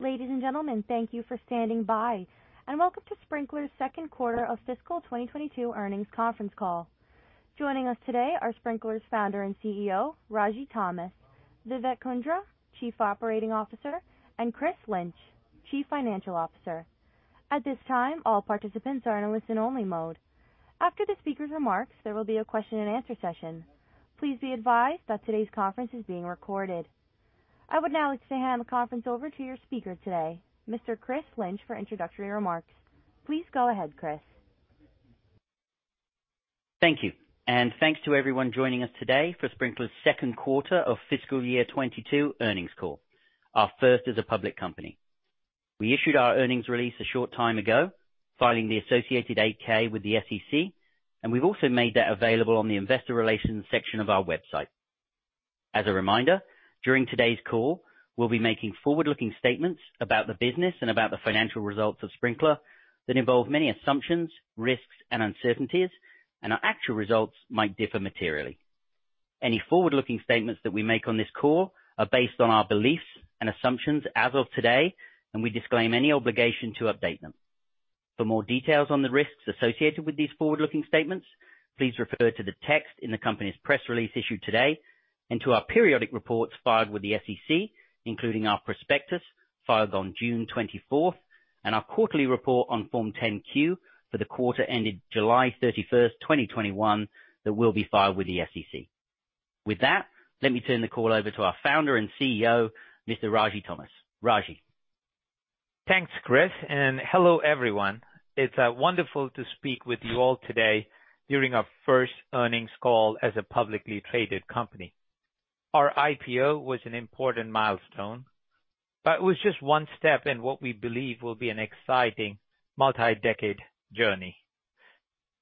Ladies and gentlemen, thank you for standing by, and welcome to Sprinklr's second quarter of fiscal 2022 earnings conference call. Joining us today are Sprinklr's Founder and CEO, Ragy Thomas, Vivek Kundra, Chief Operating Officer, and Chris Lynch, Chief Financial Officer. At this time, all participants are in a listen-only mode. After the speaker's remarks, there will be a question and answer session. Please be advised that today's conference is being recorded. I would now like to hand the conference over to your speaker today, Mr. Chris Lynch, for introductory remarks. Please go ahead, Chris. Thank you, and thanks to everyone joining us today for Sprinklr's second quarter of fiscal year 2022 earnings call. Our first as a public company. We issued our earnings release a short time ago, filing the associated 8-K with the SEC, and we've also made that available on the investor relations section of our website. As a reminder, during today's call, we'll be making forward-looking statements about the business and about the financial results of Sprinklr that involve many assumptions, risks, and uncertainties, and our actual results might differ materially. Any forward-looking statements that we make on this call are based on our beliefs and assumptions as of today, and we disclaim any obligation to update them. For more details on the risks associated with these forward-looking statements, please refer to the text in the company's press release issued today and to our periodic reports filed with the SEC, including our prospectus filed on June 24th, and our quarterly report on Form 10-Q for the quarter ending July 31st, 2021, that will be filed with the SEC. With that, let me turn the call over to our Founder and CEO, Mr. Ragy Thomas. Ragy. Thanks, Chris, and hello, everyone. It's wonderful to speak with you all today during our first earnings call as a publicly traded company. Our IPO was an important milestone, but it was just one step in what we believe will be an exciting multi-decade journey.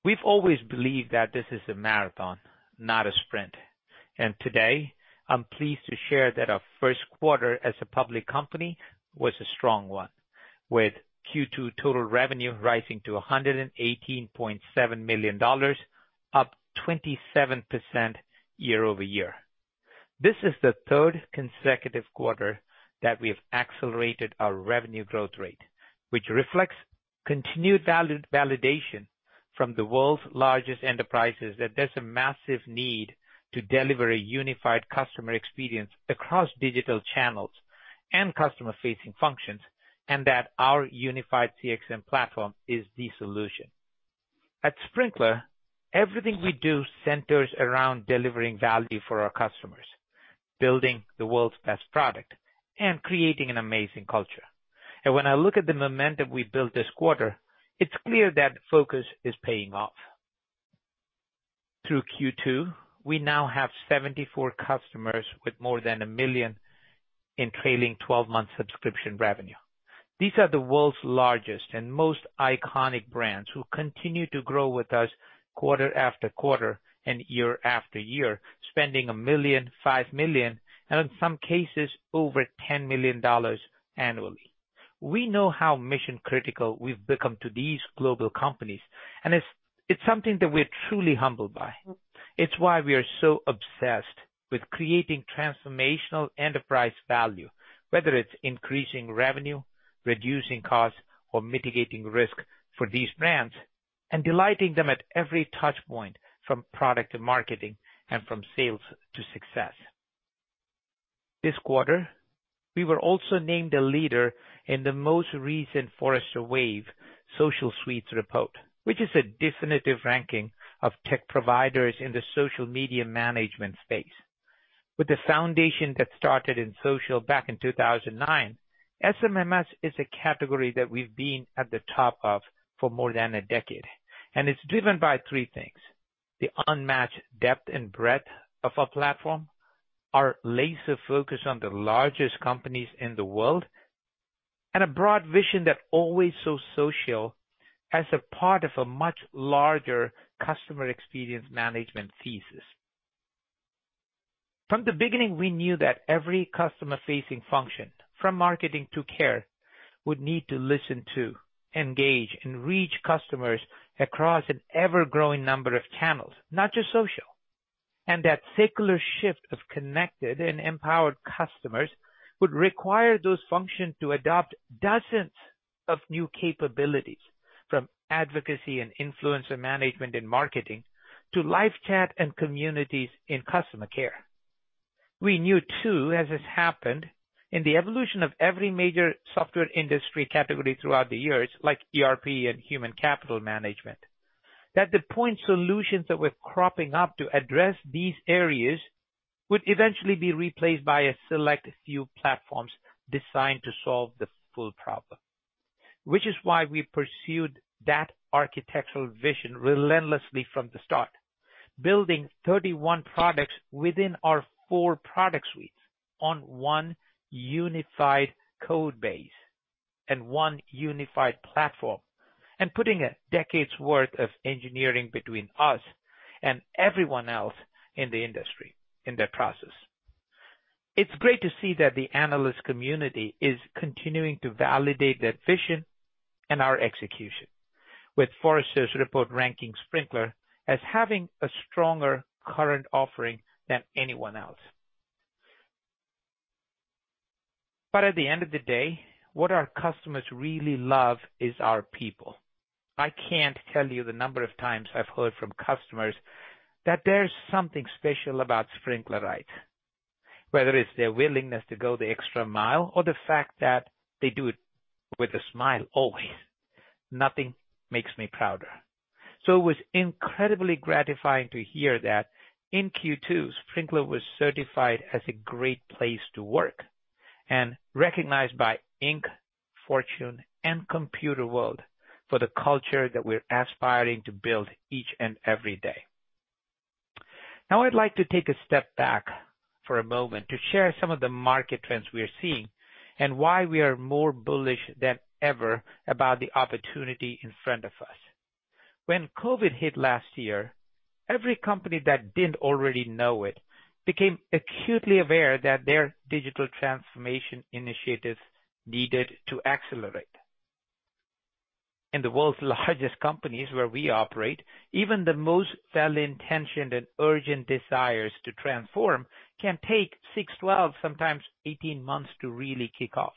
We've always believed that this is a marathon, not a sprint, and today, I'm pleased to share that our first quarter as a public company was a strong one, with Q2 total revenue rising to $118.7 million, up 27% year-over-year. This is the third consecutive quarter that we've accelerated our revenue growth rate, which reflects continued validation from the world's largest enterprises that there's a massive need to deliver a unified customer experience across digital channels and customer-facing functions, and that our Unified CXM platform is the solution. At Sprinklr, everything we do centers around delivering value for our customers, building the world's best product, and creating an amazing culture. When I look at the momentum we built this quarter, it's clear that focus is paying off. Through Q2, we now have 74 customers with more than $1 million in trailing 12-month subscription revenue. These are the world's largest and most iconic brands who continue to grow with us quarter after quarter and year after year, spending $1 million, $5 million, and in some cases over $10 million annually. We know how mission-critical we've become to these global companies, it's something that we're truly humbled by. It's why we are so obsessed with creating transformational enterprise value, whether it's increasing revenue, reducing costs, or mitigating risk for these brands, and delighting them at every touch point, from product to marketing and from sales to success. This quarter, we were also named a leader in the most recent Forrester Wave social suites report, which is a definitive ranking of tech providers in the social media management space. With the foundation that started in social back in 2009, SMM is a category that we've been at the top of for more than a decade, and it's driven by three things. The unmatched depth and breadth of our platform, our laser focus on the largest companies in the world, and a broad vision that always saw social as a part of a much larger customer experience management thesis. From the beginning, we knew that every customer-facing function, from marketing to care, would need to listen to, engage, and reach customers across an ever-growing number of channels, not just social. That secular shift of connected and empowered customers would require those functions to adopt dozens of new capabilities, from advocacy and influencer management in marketing to LiveChat and communities in customer care. We knew too, as this happened, in the evolution of every major software industry category throughout the years, like ERP and human capital management, that the point solutions that were cropping up to address these areas would eventually be replaced by a select few platforms designed to solve the full problem. Which is why we pursued that architectural vision relentlessly from the start, building 31 products within our four product suites on one unified code base and one unified platform, and putting a decade's worth of engineering between us and everyone else in the industry in that process. It's great to see that the analyst community is continuing to validate that vision and our execution. With Forrester's report ranking Sprinklr as having a stronger current offering than anyone else. At the end of the day, what our customers really love is our people. I can't tell you the number of times I've heard from customers that there's something special about Sprinklr, right. Whether it's their willingness to go the extra mile or the fact that they do it with a smile always, nothing makes me prouder. It was incredibly gratifying to hear that in Q2, Sprinklr was certified as a Great Place to Work and recognized by Inc., Fortune, and Computerworld for the culture that we're aspiring to build each and every day. Now, I'd like to take a step back for a moment to share some of the market trends we are seeing and why we are more bullish than ever about the opportunity in front of us. When COVID hit last year, every company that didn't already know it became acutely aware that their digital transformation initiatives needed to accelerate. In the world's largest companies where we operate, even the most well-intentioned and urgent desires to transform can take six, 12, sometimes 18 months to really kick off.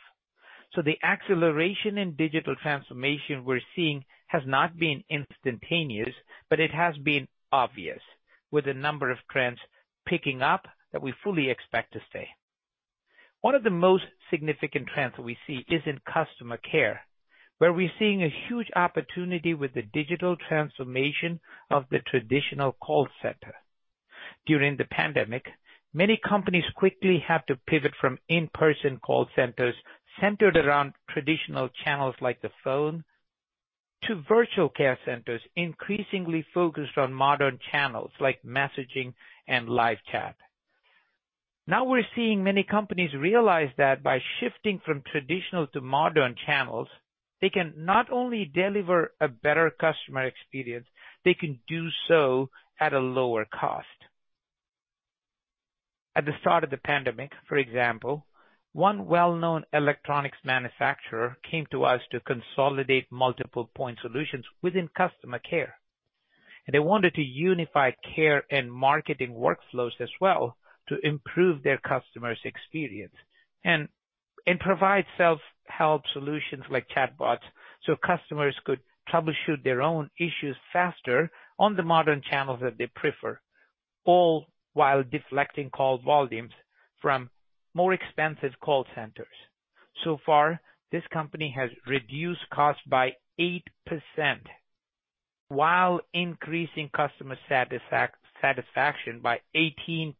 The acceleration in digital transformation we're seeing has not been instantaneous, but it has been obvious, with a number of trends picking up that we fully expect to stay. One of the most significant trends we see is in customer care, where we're seeing a huge opportunity with the digital transformation of the traditional call center. During the pandemic, many companies quickly had to pivot from in-person call centers centered around traditional channels like the phone to virtual care centers, increasingly focused on modern channels like messaging and LiveChat. We're seeing many companies realize that by shifting from traditional to modern channels, they can not only deliver a better customer experience, they can do so at a lower cost. At the start of the pandemic, for example, one well-known electronics manufacturer came to us to consolidate multiple point solutions within customer care. They wanted to unify care and marketing workflows as well to improve their customer's experience and provide self-help solutions like chatbots so customers could troubleshoot their own issues faster on the modern channels that they prefer, all while deflecting call volumes from more expensive call centers. This company has reduced cost by 8% while increasing customer satisfaction by 18%.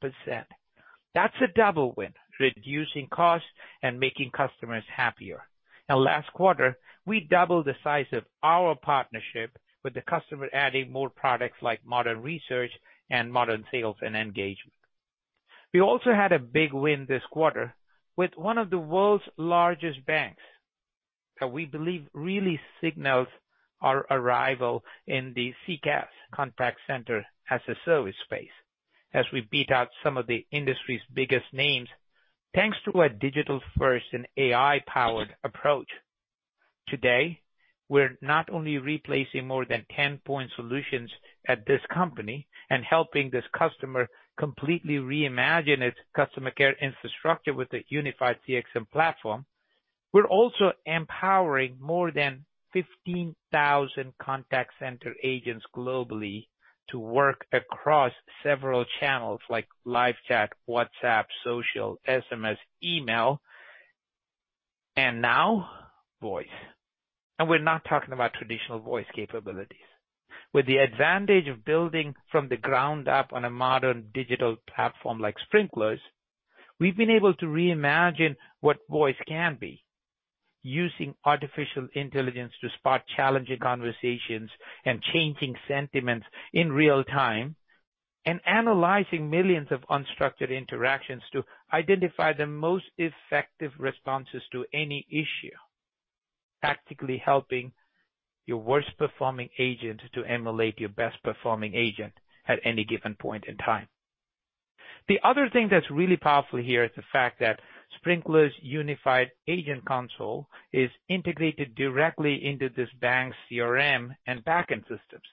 That's a double win, reducing cost and making customers happier. Last quarter, we doubled the size of our partnership with the customer, adding more products like Modern Research and Modern Sales and Engagement. We also had a big win this quarter with one of the world's largest banks that we believe really signals our arrival in the CCaaS, contact center as a service space, as we beat out some of the industry's biggest names, thanks to a digital-first and AI-powered approach. Today, we're not only replacing more than 10 point solutions at this company and helping this customer completely reimagine its customer care infrastructure with a Unified CXM platform. We're also empowering more than 15,000 contact center agents globally to work across several channels like LiveChat, WhatsApp, social, SMS, email, and now voice. We're not talking about traditional voice capabilities. With the advantage of building from the ground up on a modern digital platform like Sprinklr's, we've been able to reimagine what voice can be. Using artificial intelligence to spot challenging conversations and changing sentiments in real time and analyzing millions of unstructured interactions to identify the most effective responses to any issue, practically helping your worst-performing agent to emulate your best-performing agent at any given point in time. The other thing that's really powerful here is the fact that Sprinklr's unified agent console is integrated directly into this bank's CRM and backend systems.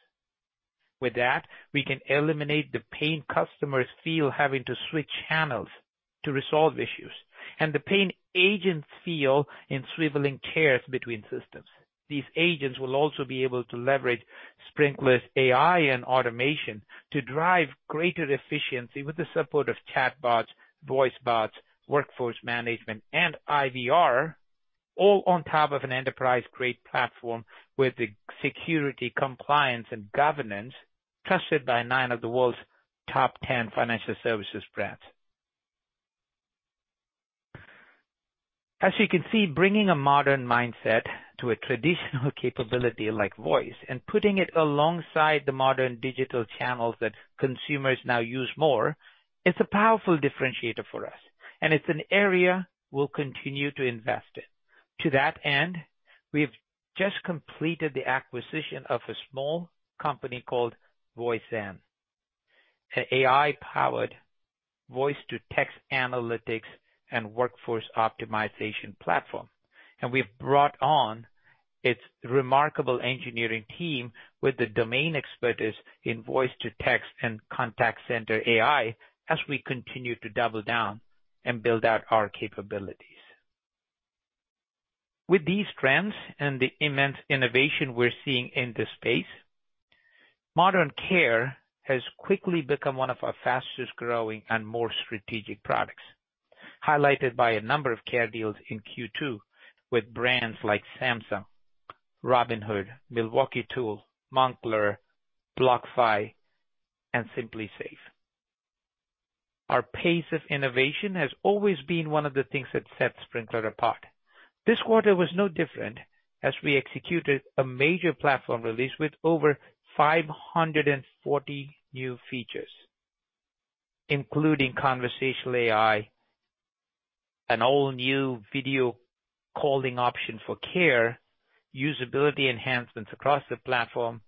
With that, we can eliminate the pain customers feel having to switch channels to resolve issues and the pain agents feel in swiveling chairs between systems. These agents will also be able to leverage Sprinklr's AI and automation to drive greater efficiency with the support of chatbots, voice bots, workforce management, and IVR, all on top of an enterprise-grade platform with the security, compliance, and governance trusted by nine of the world's top 10 financial services brands. As you can see, bringing a modern mindset to a traditional capability like voice and putting it alongside the modern digital channels that consumers now use more is a powerful differentiator for us, and it's an area we'll continue to invest in. To that end, we've just completed the acquisition of a small company called Voicezen, an AI-powered voice-to-text analytics and workforce optimization platform. We've brought on its remarkable engineering team with the domain expertise in voice to text and contact center AI as we continue to double down and build out our capabilities. With these trends and the immense innovation we're seeing in this space, Modern Care has quickly become one of our fastest-growing and more strategic products, highlighted by a number of care deals in Q2 with brands like Samsung, Robinhood, Milwaukee Tool, Moncler, BlockFi, and SimpliSafe. Our pace of innovation has always been one of the things that sets Sprinklr apart. This quarter was no different as we executed a major platform release with over 540 new features, including conversational AI, an all-new video calling option for care, usability enhancements across the platform,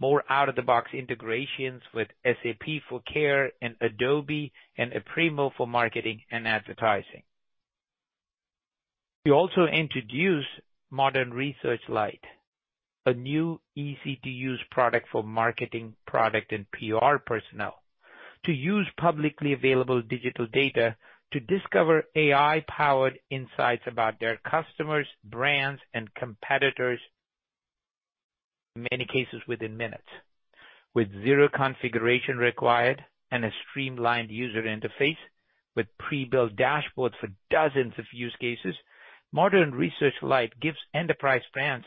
more out-of-the-box integrations with SAP for care, and Adobe and Aprimo for marketing and advertising. We also introduced Modern Research Lite, a new easy-to-use product for marketing, product, and PR personnel to use publicly available digital data to discover AI-powered insights about their customers, brands, and competitors, in many cases within minutes. With zero configuration required and a streamlined user interface with pre-built dashboards for dozens of use cases, Modern Research Lite gives enterprise brands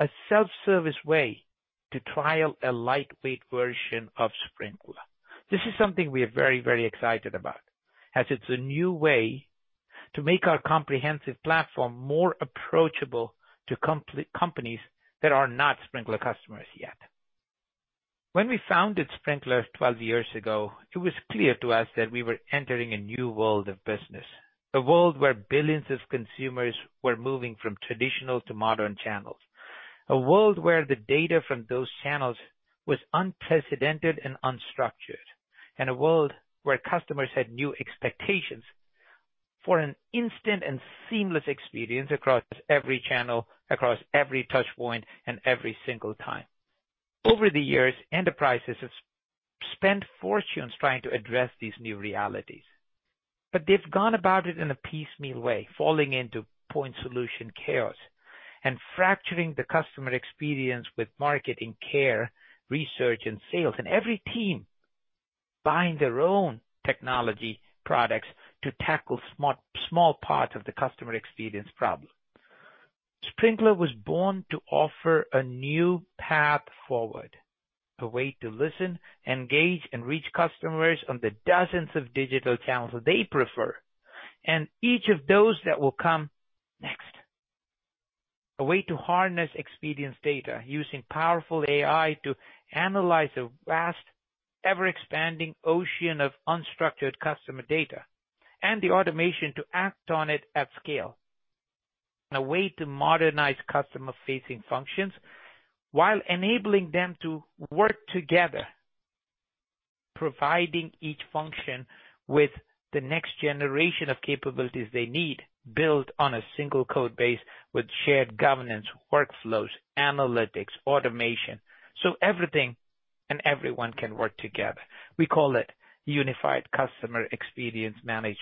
a self-service way to trial a lightweight version of Sprinklr. This is something we are very excited about, as it's a new way to make our comprehensive platform more approachable to companies that are not Sprinklr customers yet. When we founded Sprinklr 12 years ago, it was clear to us that we were entering a new world of business. A world where billions of consumers were moving from traditional to modern channels. A world where the data from those channels was unprecedented and unstructured, and a world where customers had new expectations for an instant and seamless experience across every channel, across every touchpoint, and every single time. Over the years, enterprises have spent fortunes trying to address these new realities. They've gone about it in a piecemeal way, falling into point solution chaos and fracturing the customer experience with marketing, care, research, and sales, and every team buying their own technology products to tackle small parts of the customer experience problem. Sprinklr was born to offer a new path forward, a way to listen, engage, and reach customers on the dozens of digital channels that they prefer, and each of those that will come next. A way to harness experience data using powerful AI to analyze a vast, ever-expanding ocean of unstructured customer data, and the automation to act on it at scale. A way to modernize customer-facing functions while enabling them to work together, providing each function with the next generation of capabilities they need, built on a single code base with shared governance, workflows, analytics, automation, so everything and everyone can work together. We call it Unified Customer Experience Management.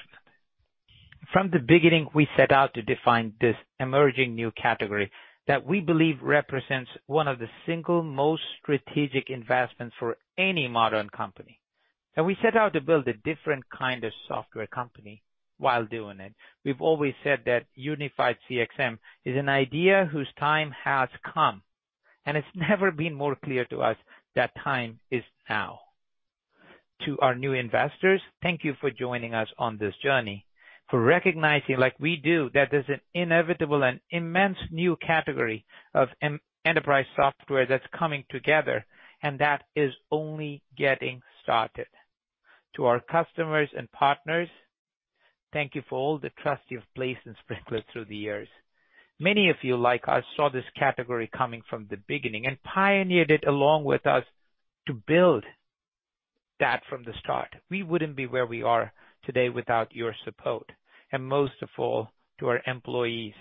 From the beginning, we set out to define this emerging new category that we believe represents one of the single most strategic investments for any modern company. We set out to build a different kind of software company while doing it. We've always said that Unified CXM is an idea whose time has come, and it's never been more clear to us that time is now. To our new investors, thank you for joining us on this journey, for recognizing, like we do, that there's an inevitable and immense new category of enterprise software that's coming together, and that is only getting started. To our customers and partners, thank you for all the trust you've placed in Sprinklr through the years. Many of you, like us, saw this category coming from the beginning and pioneered it along with us to build that from the start. We wouldn't be where we are today without your support. Most of all, to our employees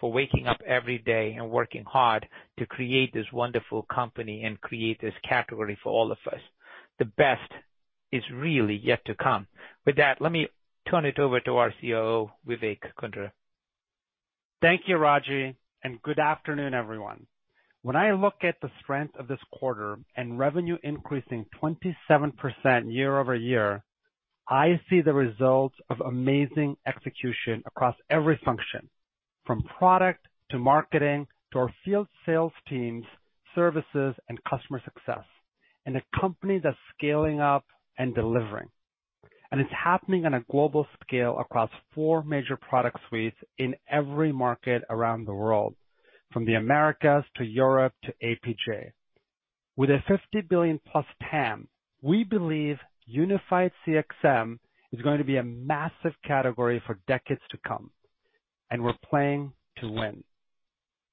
for waking up every day and working hard to create this wonderful company and create this category for all of us. The best is really yet to come. With that, let me turn it over to our COO, Vivek Kundra. Thank you, Ragy, and good afternoon, everyone. When I look at the strength of this quarter and revenue increasing 27% year-over-year, I see the results of amazing execution across every function, from product to marketing to our field sales teams, services, and customer success, and a company that's scaling up and delivering. It's happening on a global scale across four major product suites in every market around the world, from the Americas to Europe to APJ. With a $50 billion-plus TAM, we believe Unified CXM is going to be a massive category for decades to come, and we're playing to win.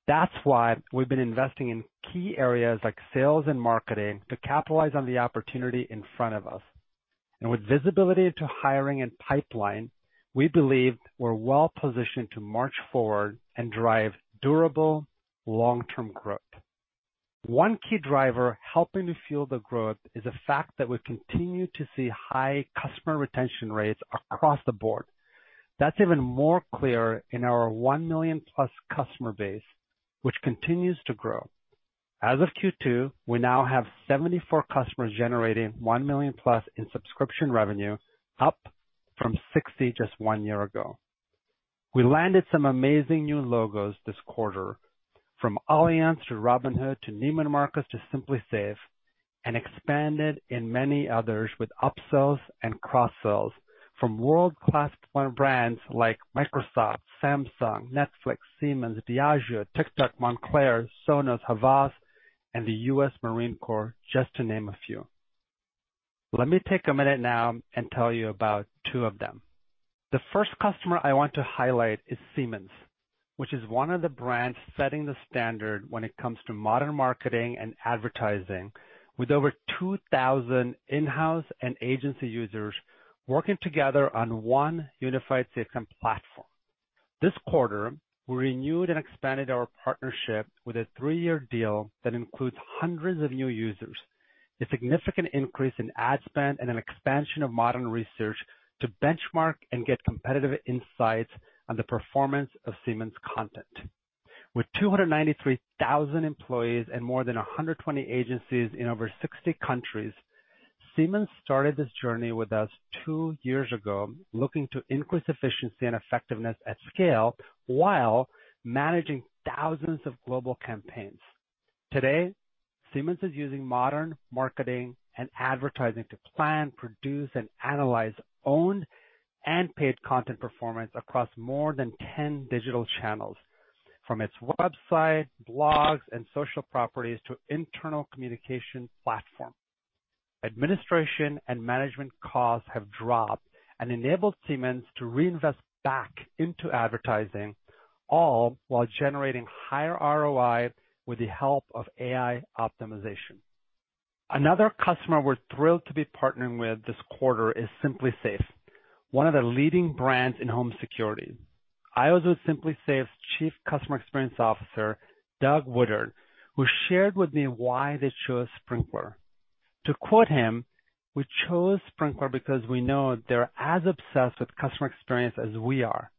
That's why we've been investing in key areas like sales and marketing to capitalize on the opportunity in front of us. With visibility to hiring and pipeline, we believe we're well-positioned to march forward and drive durable long-term growth. One key driver helping to fuel the growth is the fact that we've continued to see high customer retention rates across the board. That's even more clear in our 1 million plus customer base, which continues to grow. As of Q2, we now have 74 customers generating $1 million plus in subscription revenue, up from 60 just one year ago. We landed some amazing new logos this quarter, from Allianz to Robinhood to Neiman Marcus to SimpliSafe, and expanded in many others with upsells and cross-sells from world-class brands like Microsoft, Samsung, Netflix, Siemens, Diageo, TikTok, Moncler, Sonos, Havas, and the U.S. Marine Corps, just to name a few. Let me take a minute now and tell you about two of them. The first customer I want to highlight is Siemens, which is one of the brands setting the standard when it comes to modern marketing and advertising, with over 2,000 in-house and agency users working together on one Unified CXM platform. This quarter, we renewed and expanded our partnership with a three-year deal that includes hundreds of new users, a significant increase in ad spend, and an expansion of Modern Research to benchmark and get competitive insights on the performance of Siemens' content. With 293,000 employees and more than 120 agencies in over 60 countries, Siemens started this journey with is two years ago, looking to increase efficiency and effectiveness at scale while managing thousands of global campaigns. Today, Siemens is using modern marketing and advertising to plan, produce, and analyze owned and paid content performance across more than 10 digital channels, from its website, blogs, and social properties to internal communication platform. Administration and management costs have dropped and enabled Siemens to reinvest back into advertising, all while generating higher ROI with the help of AI optimization. Another customer we're thrilled to be partnering with this quarter is SimpliSafe, one of the leading brands in home security. I was with SimpliSafe's Chief Customer Experience Officer, Doug Woodard, who shared with me why they chose Sprinklr. To quote him, "We chose Sprinklr because we know they're as obsessed with customer experience as we are,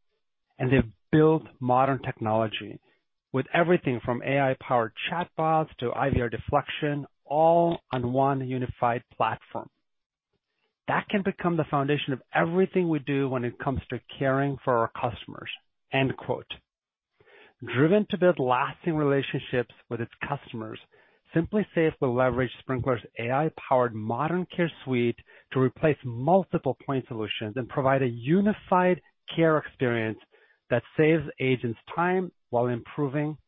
and they've built modern technology with everything from AI-powered chatbots to IVR deflection, all on one unified platform. That can become the foundation of everything we do when it comes to caring for our customers." Driven to build lasting relationships with its customers, SimpliSafe will leverage Sprinklr's AI-powered Modern Care Suite to replace multiple point solutions and provide a unified care experience that saves agents time while improving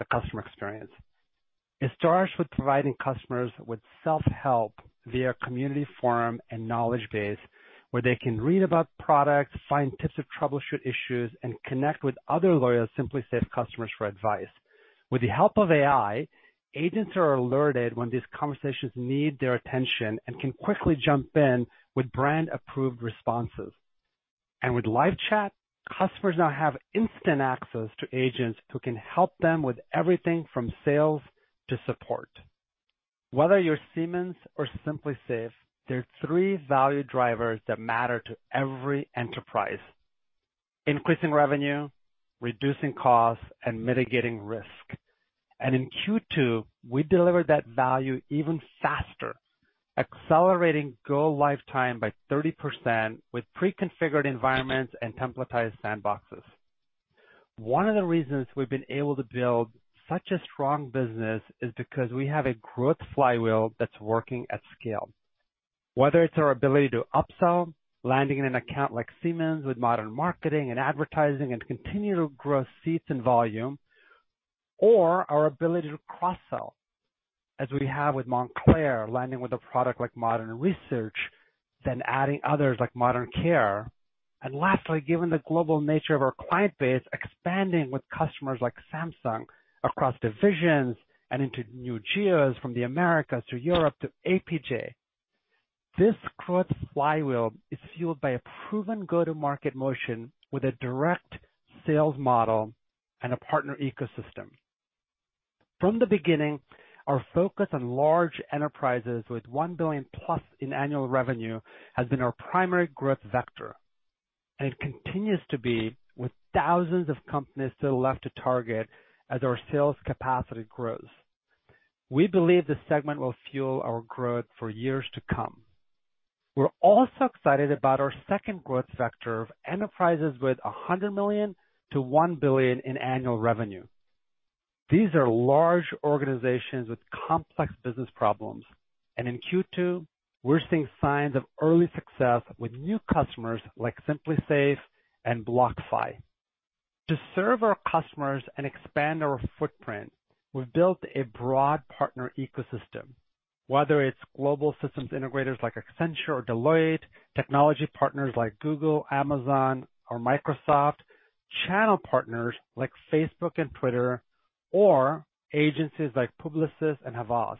the customer experience. It starts with providing customers with self-help via community forum and knowledge base, where they can read about products, find tips to troubleshoot issues, and connect with other loyal SimpliSafe customers for advice. With the help of AI, agents are alerted when these conversations need their attention and can quickly jump in with brand-approved responses. With LiveChat, customers now have instant access to agents who can help them with everything from sales to support. Whether you're Siemens or SimpliSafe, there are three value drivers that matter to every enterprise: increasing revenue, reducing costs, and mitigating risk. In Q2, we delivered that value even faster, accelerating go-live time by 30% with pre-configured environments and templatized sandboxes. One of the reasons we've been able to build such a strong business is because we have a growth flywheel that's working at scale. Whether it's our ability to upsell, landing in an account like Siemens with Modern Marketing and advertising and continue to grow seats and volume, or our ability to cross-sell, as we have with Moncler, landing with a product like Modern Research, then adding others like Modern Care. Lastly, given the global nature of our client base, expanding with customers like Samsung across divisions and into new geos from the Americas to Europe to APJ. This growth flywheel is fueled by a proven go-to-market motion with a direct sales model and a partner ecosystem. From the beginning, our focus on large enterprises with 1 billion-plus in annual revenue has been our primary growth vector, and it continues to be with thousands of companies still left to target as our sales capacity grows. We believe this segment will fuel our growth for years to come. We're also excited about our second growth sector of enterprises with $100 million-$1 billion in annual revenue. These are large organizations with complex business problems. In Q2, we're seeing signs of early success with new customers like SimpliSafe and BlockFi. To serve our customers and expand our footprint, we've built a broad partner ecosystem. Whether it's global systems integrators like Accenture or Deloitte, technology partners like Google, Amazon, or Microsoft, channel partners like Facebook and Twitter, or agencies like Publicis and Havas.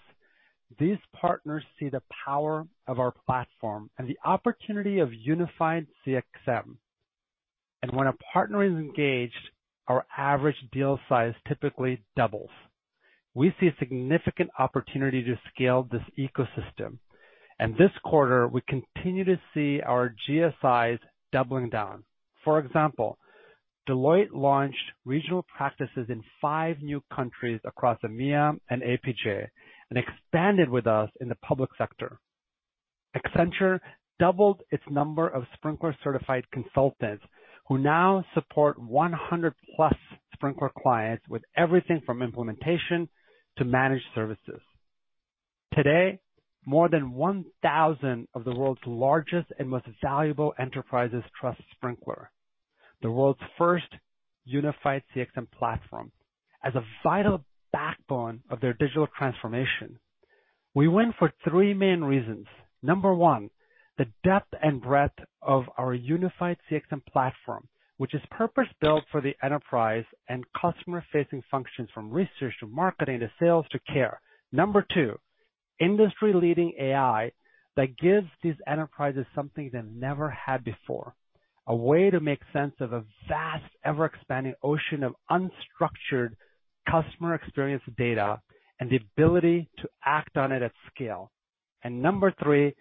These partners see the power of our platform and the opportunity of Unified CXM. When a partner is engaged, our average deal size typically doubles. We see a significant opportunity to scale this ecosystem. This quarter, we continue to see our GSIs doubling down. For example, Deloitte launched regional practices in five new countries across EMEA and APJ and expanded with us in the public sector. Accenture doubled its number of Sprinklr certified consultants who now support 100-plus Sprinklr clients with everything from implementation to managed services. Today, more than 1,000 of the world's largest and most valuable enterprises trust Sprinklr, the world's first Unified CXM platform, as a vital backbone of their digital transformation. We win for three main reasons. Number one, the depth and breadth of our Unified CXM platform, which is purpose-built for the enterprise and customer-facing functions from research to marketing to sales to care. Number two, industry-leading AI that gives these enterprises something they never had before, a way to make sense of a vast, ever-expanding ocean of unstructured customer experience data and the ability to act on it at scale. Number three,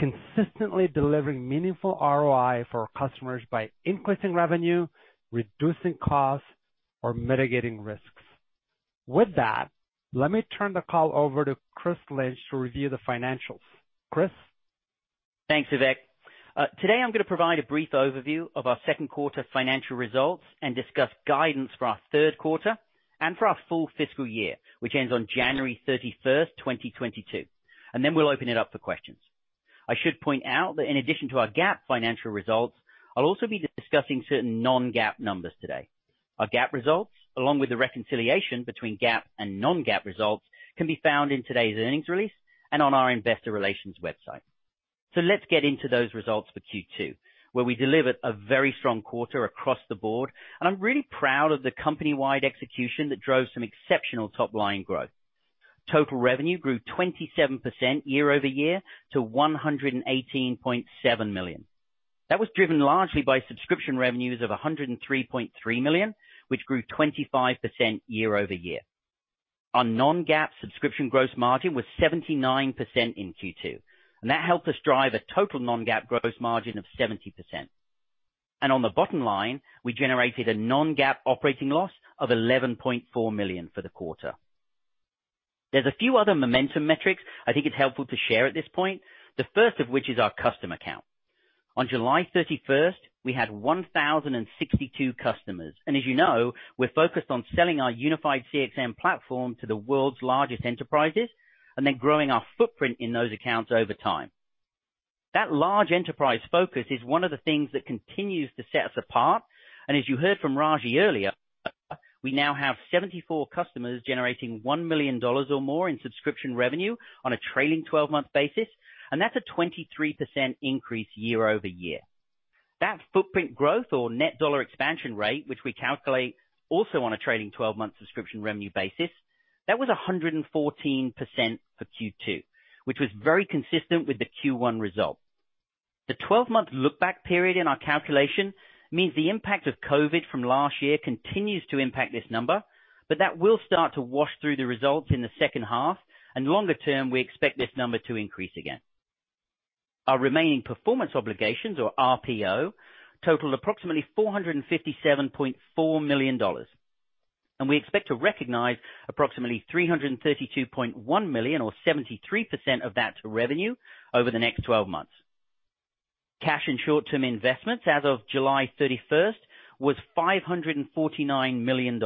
consistently delivering meaningful ROI for our customers by increasing revenue, reducing costs, or mitigating risks. With that, let me turn the call over to Chris Lynch to review the financials. Chris? Thanks, Vivek. Today I'm going to provide a brief overview of our second quarter financial results and discuss guidance for our third quarter and for our full fiscal year, which ends on January 31st, 2022. We'll open it up for questions. I should point out that in addition to our GAAP financial results, I'll also be discussing certain non-GAAP numbers today. Our GAAP results, along with the reconciliation between GAAP and non-GAAP results, can be found in today's earnings release and on our investor relations website. Let's get into those results for Q2, where we delivered a very strong quarter across the board, and I'm really proud of the company-wide execution that drove some exceptional top-line growth. Total revenue grew 27% year-over-year to $118.7 million. That was driven largely by subscription revenues of $103.3 million, which grew 25% year-over-year. Our non-GAAP subscription gross margin was 79% in Q2, and that helped us drive a total non-GAAP gross margin of 70%. On the bottom line, we generated a non-GAAP operating loss of $11.4 million for the quarter. There's a few other momentum metrics I think it's helpful to share at this point, the first of which is our customer count. On July 31st, we had 1,062 customers, and as you know, we're focused on selling our Unified CXM platform to the world's largest enterprises and then growing our footprint in those accounts over time. That large enterprise focus is one of the things that continues to set us apart, and as you heard from Ragy earlier, we now have 74 customers generating $1 million or more in subscription revenue on a trailing 12-month basis, and that's a 23% increase year-over-year. That footprint growth or net dollar expansion rate, which we calculate also on a trailing 12-month subscription revenue basis, that was 114% for Q2, which was very consistent with the Q1 result. The 12-month look-back period in our calculation means the impact of COVID from last year continues to impact this number, but that will start to wash through the results in the second half, and longer term, we expect this number to increase again. Our remaining performance obligations, or RPO, totaled approximately $457.4 million, and we expect to recognize approximately $332.1 million or 73% of that revenue over the next 12 months. Cash and short-term investments as of July 31st was $549 million,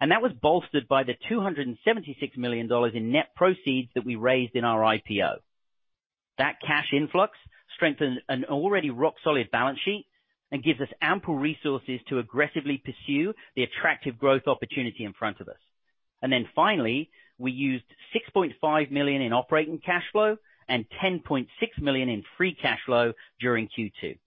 and that was bolstered by the $276 million in net proceeds that we raised in our IPO. That cash influx strengthened an already rock-solid balance sheet and gives us ample resources to aggressively pursue the attractive growth opportunity in front of us. Finally, we used $6.5 million in operating cash flow and $10.6 million in free cash flow during Q2.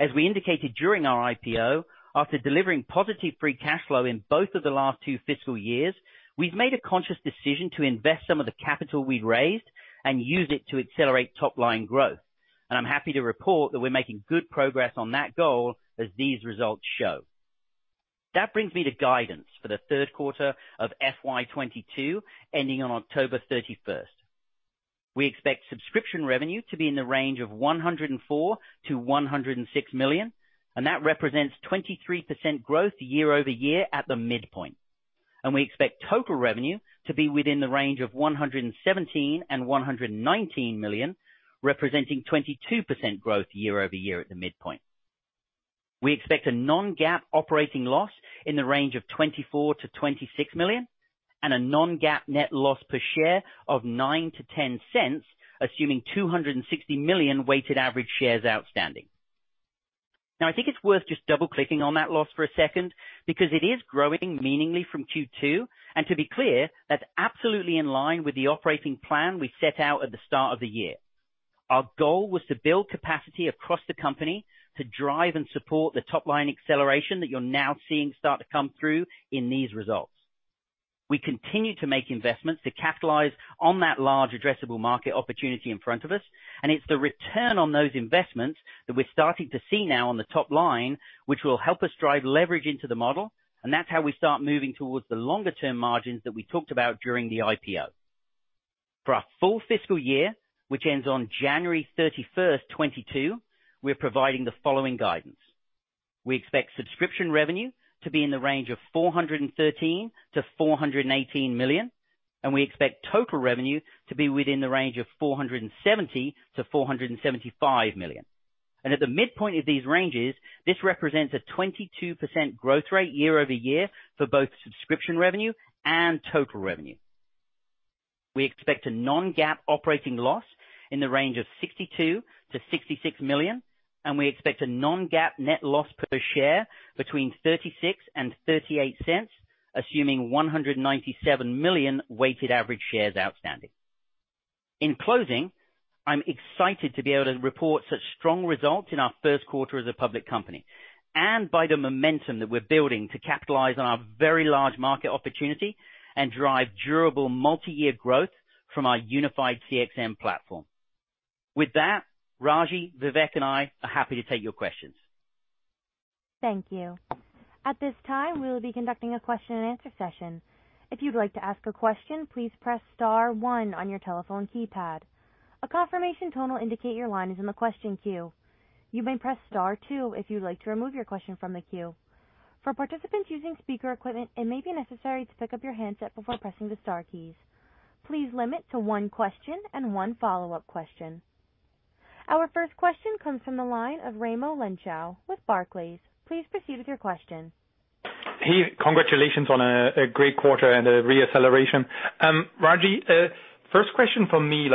As we indicated during our IPO, after delivering positive free cash flow in both of the last two fiscal years, we've made a conscious decision to invest some of the capital we'd raised and use it to accelerate top-line growth. I'm happy to report that we're making good progress on that goal, as these results show. That brings me to guidance for the third quarter of FY 2022, ending on October 31st. We expect subscription revenue to be in the range of $104 million-$106 million, that represents 23% growth year-over-year at the midpoint. We expect total revenue to be within the range of $117 million and $119 million, representing 22% growth year-over-year at the midpoint. We expect a non-GAAP operating loss in the range of $24 million-$26 million and a non-GAAP net loss per share of $0.09-$0.10, assuming 260 million weighted average shares outstanding. Now, I think it's worth just double-clicking on that loss for a second because it is growing meaningfully from Q2. To be clear, that's absolutely in line with the operating plan we set out at the start of the year. Our goal was to build capacity across the company to drive and support the top-line acceleration that you're now seeing start to come through in these results. We continue to make investments to capitalize on that large addressable market opportunity in front of us. It's the return on those investments that we're starting to see now on the top line, which will help us drive leverage into the model. That's how we start moving towards the longer term margins that we talked about during the IPO. For our full fiscal year, which ends on January 31st, 2022, we're providing the following guidance. We expect subscription revenue to be in the range of $413 million-$418 million. We expect total revenue to be within the range of $470 million-$475 million. At the midpoint of these ranges, this represents a 22% growth rate year-over-year for both subscription revenue and total revenue. We expect a non-GAAP operating loss in the range of $62 million-$66 million, and we expect a non-GAAP net loss per share between $0.36 and $0.38, assuming 197 million weighted average shares outstanding. In closing, I am excited to be able to report such strong results in our first quarter as a public company, and by the momentum that we are building to capitalize on our very large market opportunity and drive durable multi-year growth from our Unified CXM platform. With that, Ragy, Vivek, and I are happy to take your questions. Thank you. At this time, we will be conducting a question and answer session. If you'd like to ask a question, please press star one on your telephone keypad. A confirmation tone will indicate your line is in the question queue. You may press star two if you'd like to remove your question from the queue. For participants using speaker equipment, it may be necessary to pick up your handset before pressing the star keys. Please limit to one question and one follow-up question. Our first question comes from the line of Raimo Lenschow with Barclays. Please proceed with your question. Hey, congratulations on a great quarter and a re-acceleration. Ragy, first question from me,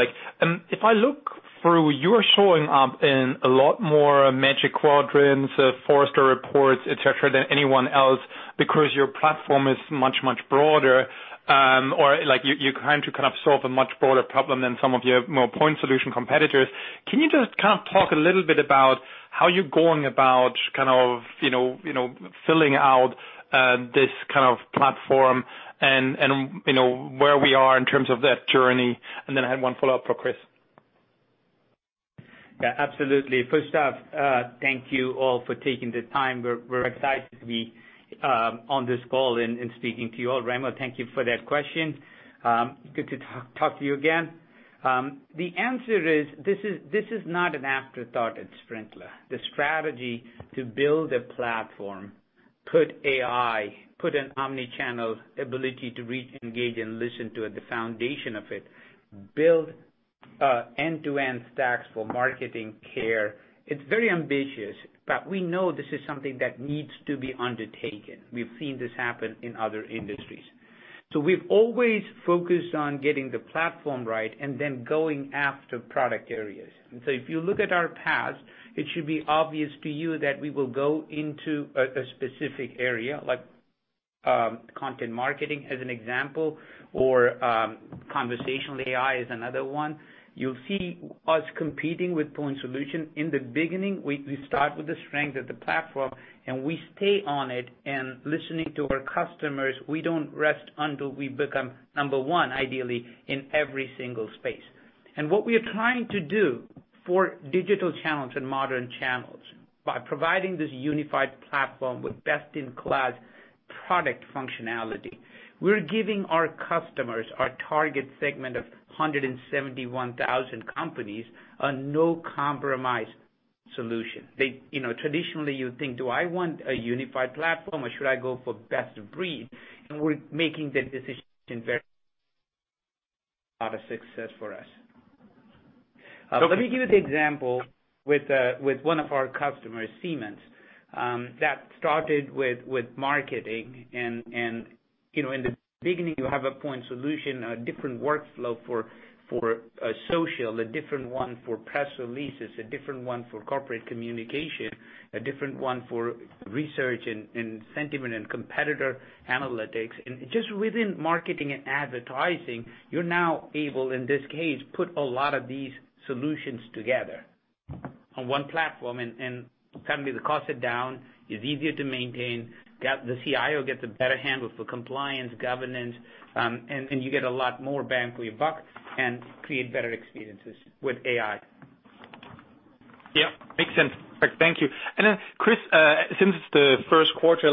if I look through, you're showing up in a lot more Magic Quadrants, Forrester reports, et cetera, than anyone else because your platform is much, much broader. You're trying to kind of solve a much broader problem than some of your more point solution competitors. Can you just talk a little bit about how you're going about filling out this kind of platform and where we are in terms of that journey? Then I have one follow-up for Chris. Absolutely. First off, thank you all for taking the time. We're excited to be on this call and speaking to you all. Raimo, thank you for that question. Good to talk to you again. The answer is, this is not an afterthought at Sprinklr. The strategy to build a platform, put AI, put an omnichannel ability to re-engage and listen to it, the foundation of it, build end-to-end stacks for marketing care. It's very ambitious, but we know this is something that needs to be undertaken. We've seen this happen in other industries. We've always focused on getting the platform right and then going after product areas. If you look at our past, it should be obvious to you that we will go into a specific area, like content marketing as an example, or conversational AI is another one. You'll see us competing with point solution. In the beginning, we start with the strength of the platform, and we stay on it and listening to our customers. We don't rest until we become number one, ideally, in every single space. What we are trying to do for digital channels and modern channels, by providing this unified platform with best-in-class product functionality, we're giving our customers, our target segment of 171,000 companies, a no-compromise solution. Traditionally, you think, do I want a unified platform or should I go for best of breed? We're making the decision very out of success for us. Let me give you the example with one of our customers, Siemens. That started with marketing, and in the beginning, you have a point solution, a different workflow for social, a different one for press releases, a different one for corporate communication, a different one for research and sentiment and competitor analytics. Just within marketing and advertising, you're now able, in this case, put a lot of these solutions together on one platform, and suddenly the cost is down, it's easier to maintain, the CIO gets a better handle for compliance, governance, and you get a lot more bang for your buck and create better experiences with AI. Yeah, makes sense. Thank you. Chris, since it's the first quarter,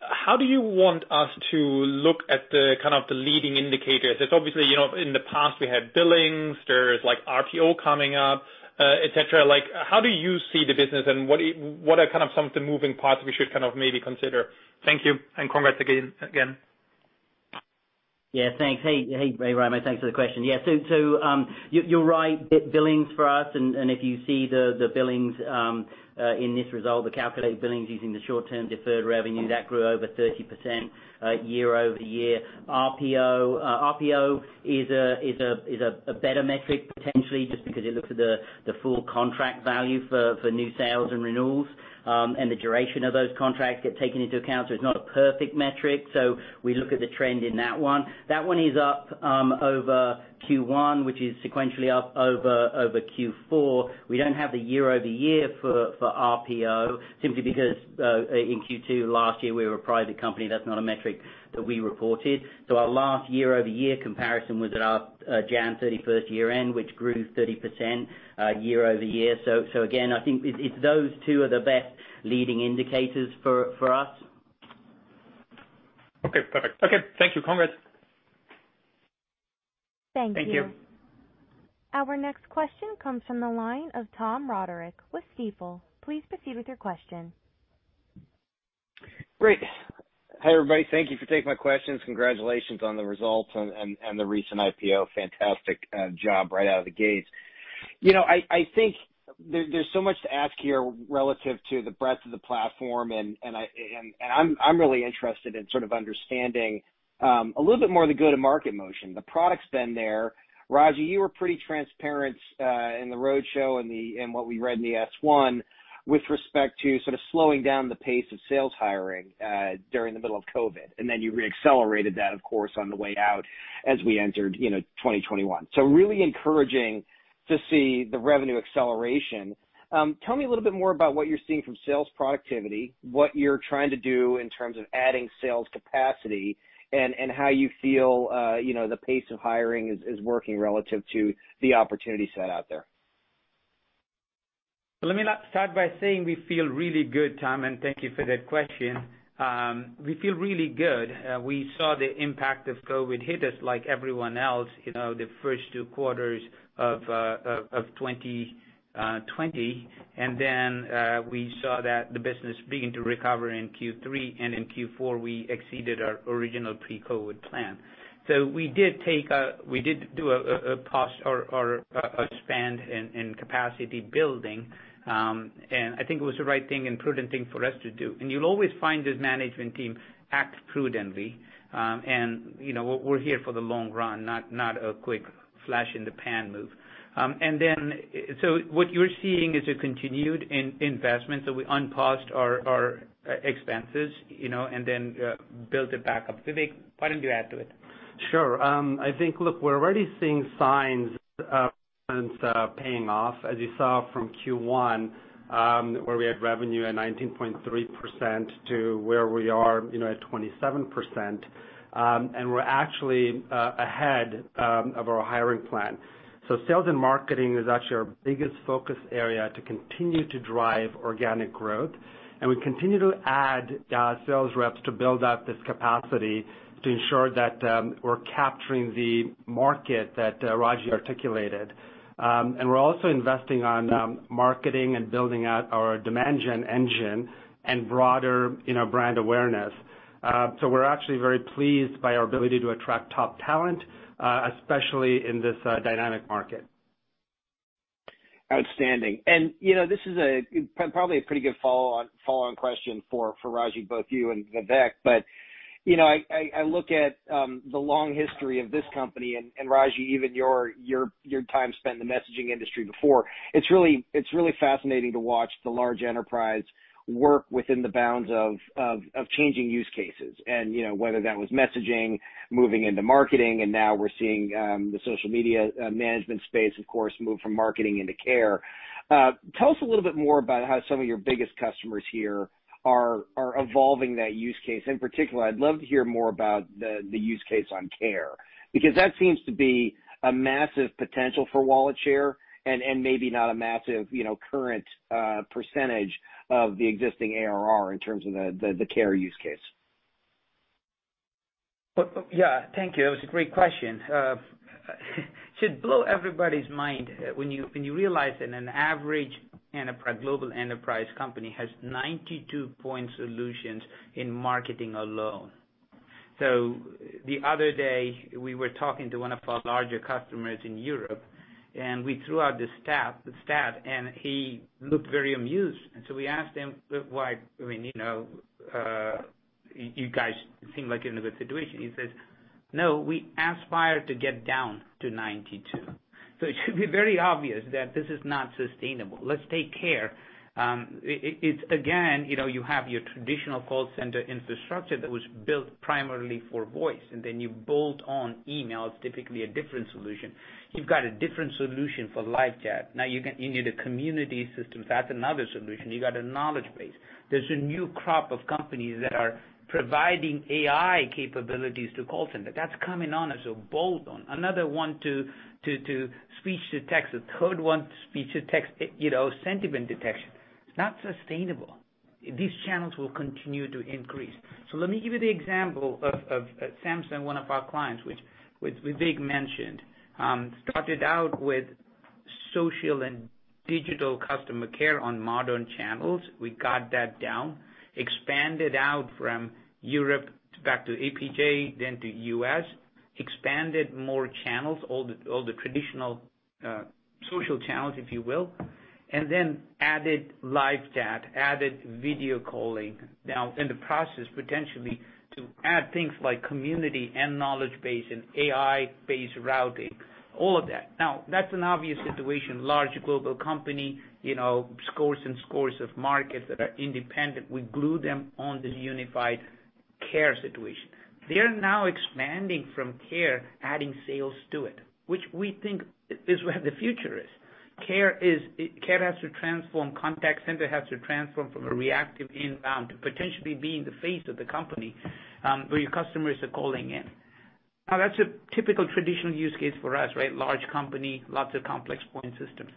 how do you want us to look at the leading indicators? Obviously, in the past we had billings, there's RPO coming up, et cetera. How do you see the business and what are some of the moving parts we should maybe consider? Thank you, and congrats again. Yeah, thanks. Hey, Raimo, thanks for the question. Yeah. You're right, bit billings for us, and if you see the billings in this result, the calculated billings using the short-term deferred revenue, that grew over 30% year-over-year. RPO is a better metric potentially just because it looks at the full contract value for new sales and renewals, and the duration of those contracts get taken into account. It's not a perfect metric. We look at the trend in that one. That one is up over Q1, which is sequentially up over Q4. We don't have the year-over-year for RPO simply because, in Q2 last year, we were a private company. That's not a metric that we reported. Our last year-over-year comparison was at our January 31st year-end, which grew 30% year-over-year. Again, I think it's those two are the best leading indicators for us. Okay, perfect. Okay, thank you. Congrats. Thank you. Thank you. Our next question comes from the line of Tom Roderick with Stifel. Please proceed with your question. Great. Hi, everybody. Thank you for taking my questions. Congratulations on the results and the recent IPO. Fantastic job right out of the gates. I think there's so much to ask here relative to the breadth of the platform. I'm really interested in sort of understanding a little bit more of the go-to-market motion, the product's been there. Ragy, you were pretty transparent in the roadshow and what we read in the S1 with respect to sort of slowing down the pace of sales hiring during the middle of COVID. You re-accelerated that, of course, on the way out as we entered 2021. Really encouraging to see the revenue acceleration. Tell me a little bit more about what you're seeing from sales productivity, what you're trying to do in terms of adding sales capacity, and how you feel the pace of hiring is working relative to the opportunity set out there? Let me start by saying we feel really good, Tom, and thank you for that question. We feel really good. We saw the impact of COVID hit us like everyone else, the first two quarters of 2020, and then we saw that the business begin to recover in Q3, and in Q4, we exceeded our original pre-COVID plan. We did do a pause or a spend in capacity building. I think it was the right thing and prudent thing for us to do. You'll always find this management team acts prudently. We're here for the long run, not a quick flash in the pan move. What you're seeing is a continued investment. We unpaused our expenses, and then built it back up. Vivek, why don't you add to it? Sure. I think, look, we're already seeing signs paying off, as you saw from Q1, where we had revenue at 19.3% to where we are at 27%. We're actually ahead of our hiring plan. Sales and marketing is actually our biggest focus area to continue to drive organic growth. We continue to add sales reps to build out this capacity to ensure that we're capturing the market that Ragy articulated. We're also investing on marketing and building out our demand gen engine and broader brand awareness. We're actually very pleased by our ability to attract top talent, especially in this dynamic market. Outstanding. This is probably a pretty good follow-on question for Ragy, both you and Vivek. I look at the long history of this company, and Ragy, even your time spent in the messaging industry before. It's really fascinating to watch the large enterprise work within the bounds of changing use cases. Whether that was messaging, moving into marketing, and now we're seeing the social media management space, of course, move from marketing into care. Tell us a little bit more about how some of your biggest customers here are evolving that use case. In particular, I'd love to hear more about the use case on care, because that seems to be a massive potential for wallet share and maybe not a massive current percentage of the existing ARR in terms of the care use case. Yeah. Thank you. That was a great question. Should blow everybody's mind when you realize that an average global enterprise company has 92 point solutions in marketing alone. The other day, we were talking to one of our larger customers in Europe, and we threw out the stat, and he looked very amused. We asked him, "Look, you guys seem like you're in a good situation." He says, "No, we aspire to get down to 92." It should be very obvious that this is not sustainable. It's again, you have your traditional call center infrastructure that was built primarily for voice, and then you bolt on emails, typically a different solution. You've got a different solution for LiveChat. Now you need a community system, that's another solution. You got a knowledge base. There's a new crop of companies that are providing AI capabilities to call center. That's coming on as a bolt-on. Another one to speech-to-text, a third one to speech-to-text, sentiment detection. It's not sustainable. These channels will continue to increase. Let me give you the example of Samsung, one of our clients, which Vivek mentioned. Social and digital customer care on modern channels, we got that down. Expanded out from Europe back to APJ, then to U.S. Expanded more channels, all the traditional social channels, if you will. Then added LiveChat, added video calling. In the process, potentially, to add things like community and knowledge base and AI-based routing, all of that. That's an obvious situation. Large global company, scores and scores of markets that are independent. We glue them on this unified care situation. They are now expanding from care, adding sales to it, which we think is where the future is. Care has to transform, contact center has to transform from a reactive inbound to potentially being the face of the company, where your customers are calling in. That's a typical traditional use case for us, right? Large company, lots of complex point systems.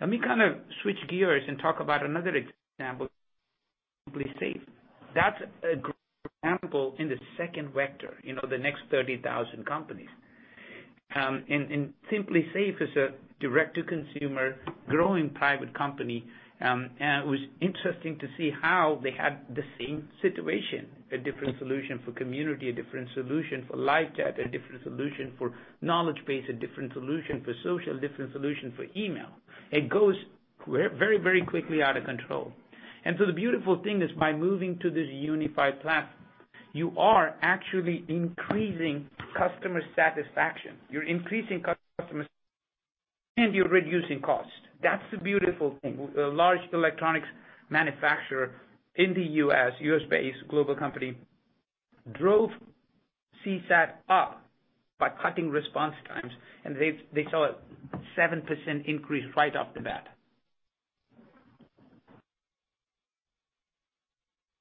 Let me kind of switch gears and talk about another example, SimpliSafe. That's a great example in the second vector, the next 30,000 companies. SimpliSafe is a direct-to-consumer growing private company. It was interesting to see how they had the same situation, a different solution for community, a different solution for LiveChat, a different solution for knowledge base, a different solution for social, different solution for email. It goes very quickly out of control. The beautiful thing is by moving to this unified platform, you are actually increasing customer satisfaction. You're increasing customer satisfaction, and you're reducing cost. That's the beautiful thing. A large electronics manufacturer in the U.S., U.S.-based global company, drove CSAT up by cutting response times, and they saw a 7% increase right off the bat.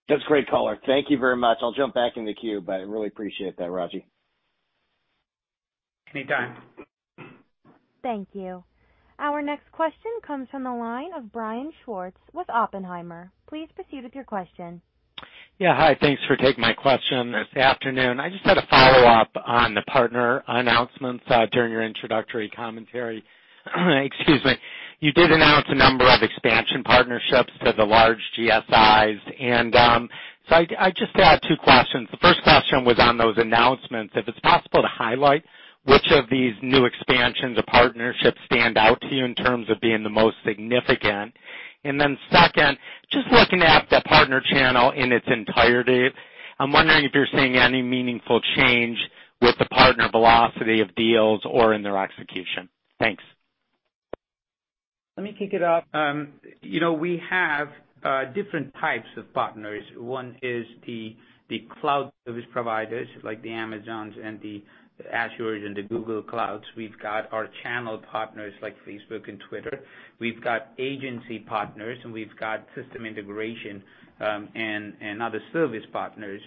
That's great color. Thank you very much. I'll jump back in the queue, but I really appreciate that, Ragy. Anytime. Thank you. Our next question comes from the line of Brian Schwartz with Oppenheimer. Please proceed with your question. Yeah. Hi, thanks for taking my question this afternoon. I just had a follow-up on the partner announcements, during your introductory commentary. Excuse me. You did announce a number of expansion partnerships to the large GSIs. I just have two questions. The first question was on those announcements. If it's possible to highlight which of these new expansions or partnerships stand out to you in terms of being the most significant? Second, just looking at the partner channel in its entirety, I'm wondering if you're seeing any meaningful change with the partner velocity of deals or in their execution. Thanks. Let me kick it off. We have different types of partners. One is the cloud service providers, like the Amazon and the Azure and the Google Cloud. We've got our channel partners like Facebook and Twitter. We've got agency partners, and we've got system integration, and other service partners.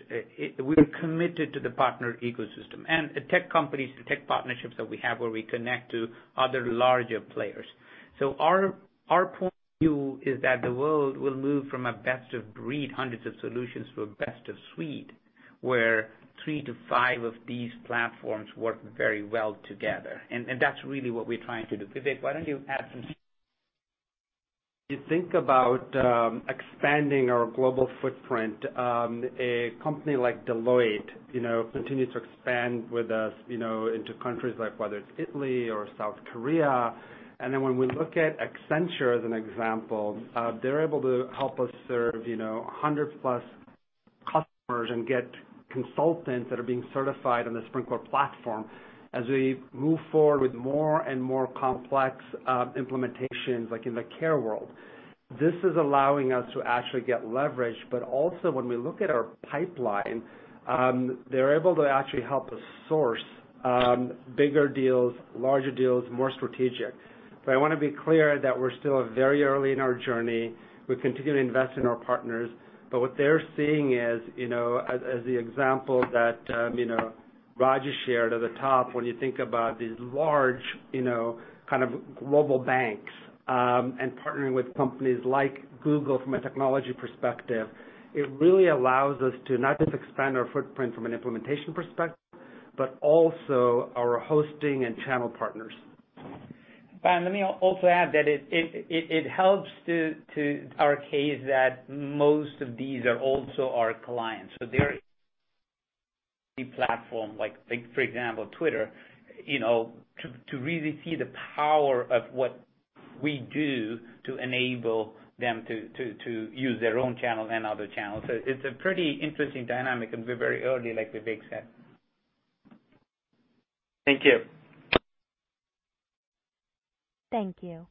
We're committed to the partner ecosystem. The tech companies, the tech partnerships that we have where we connect to other larger players. Our point of view is that the world will move from a best of breed, hundreds of solutions, to a best of suite, where three to five of these platforms work very well together. That's really what we're trying to do. Vivek, why don't you add something? You think about expanding our global footprint. A company like Deloitte continues to expand with us into countries like whether it's Italy or South Korea. When we look at Accenture as an example, they're able to help us serve 100 plus customers and get consultants that are being certified on the Sprinklr platform. As we move forward with more and more complex implementations, like in the care world, this is allowing us to actually get leverage. Also, when we look at our pipeline, they're able to actually help us source bigger deals, larger deals, more strategic. I want to be clear that we're still very early in our journey. We continue to invest in our partners. What they're seeing is, as the example that Ragy shared at the top, when you think about these large kind of global banks, and partnering with companies like Google from a technology perspective, it really allows us to not just expand our footprint from an implementation perspective, but also our hosting and channel partners. Let me also add that it helps to our case that most of these are also our clients. They're in the platform, like for example, Twitter, to really see the power of what we do to enable them to use their own channel and other channels. It's a pretty interesting dynamic, and we're very early, like Vivek said. Thank you. Thank you.